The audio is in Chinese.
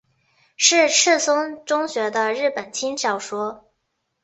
是赤松中学的日本轻小说。